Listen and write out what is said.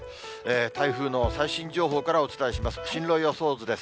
台風の最新情報からお伝えします。